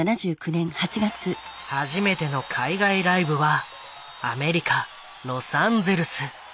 初めての海外ライブはアメリカ・ロサンゼルス。